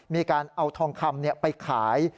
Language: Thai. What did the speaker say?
มีการเอาทองคำไปขาย